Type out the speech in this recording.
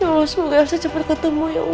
ya allah semoga elsa cepet ketemu ya allah